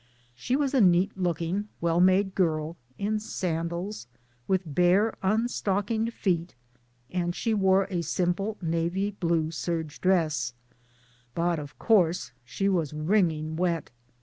She was a neat looking well made girl, in sandals, with bare, un stockinged feet, and she wore a simple navy blue serge dress ; but of course she was wringing wet.